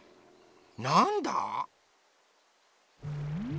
なんだ？